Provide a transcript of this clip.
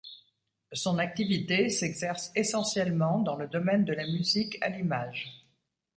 Son activité s'exerce essentiellement dans le domaine de la musique à l'image.